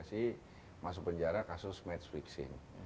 si masuk penjara kasus match fixing